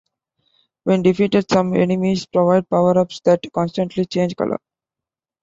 When defeated, some enemies provide power-ups that constantly change colour.